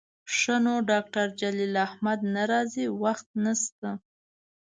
ښه نو ډاکتر جلیل احمد نه راځي، وخت نسته